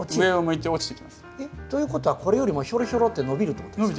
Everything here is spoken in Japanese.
えっということはこれよりもヒョロヒョロって伸びるってことですか？